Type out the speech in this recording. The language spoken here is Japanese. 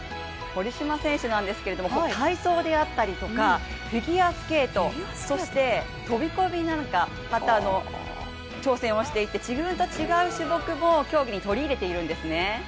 堀島選手なんですけれども、体操であったりとか、フィギュアスケートそして、飛込なんかにも挑戦していて自分と違う種目も競技に取り入れているんですね。